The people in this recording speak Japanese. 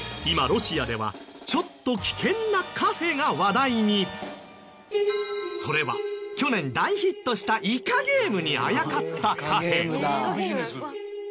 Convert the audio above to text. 今ロシアではちょっとそれは去年大ヒットした『イカゲーム』にあやかったカフェ。